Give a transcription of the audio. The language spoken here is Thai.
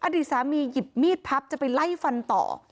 อดีตสามีหยิบมีดพับจะไปไล่ฟันต่อ